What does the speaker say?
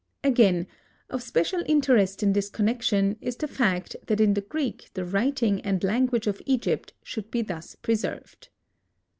Again, of special interest in this connection, is the fact that in the Greek the writing and language of Egypt should be thus preserved.